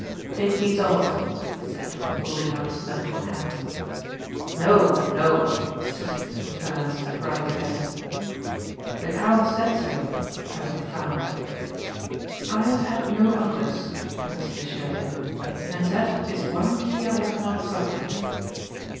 "Take these off," he said holding out his manacled hands. "No. No." Sissek and Ferencz cried together. "The count said so," Trent frowned. "I have had no orders," Hentzi assured him, "and that is one key I have not got."